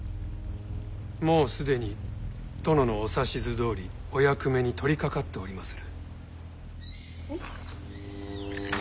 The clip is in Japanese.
もう既に殿のお指図どおりお役目に取りかかっておりまする。